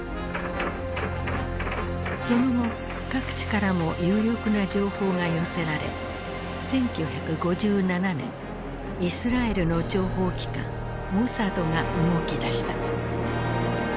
その後各地からも有力な情報が寄せられ１９５７年イスラエルの諜報機関モサドが動きだした。